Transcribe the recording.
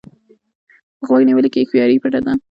په غوږ نیولو کې هوښياري پټه ده.